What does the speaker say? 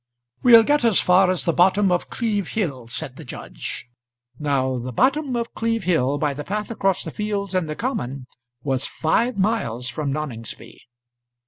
"We'll get as far as the bottom of Cleeve Hill," said the judge. Now the bottom of Cleeve Hill, by the path across the fields and the common, was five miles from Noningsby.